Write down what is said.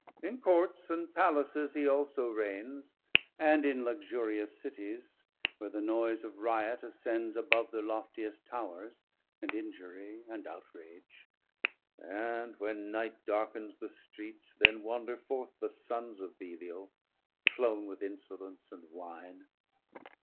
In Courts and Palaces he also Reigns And in luxurious Cities, where the noyse Of riot ascends above thir loftiest Towrs, And injury and outrage: And when Night 500 Darkens the Streets, then wander forth the Sons Of Belial, flown with insolence and wine.